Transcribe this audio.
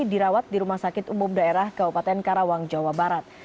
dirawat di rumah sakit umum daerah kabupaten karawang jawa barat